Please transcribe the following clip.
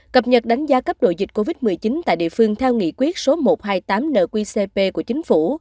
cập nhật đánh giá cấp độ dịch covid một mươi chín tại địa phương theo nghị quyết số một trăm hai mươi tám nqcp của chính phủ